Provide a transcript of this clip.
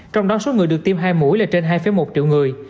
trong đó số người được tiêm hai mũi là trên hai một triệu người